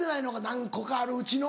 何個かあるうちの。